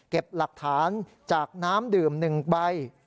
หลักฐานจากน้ำดื่ม๑ใบ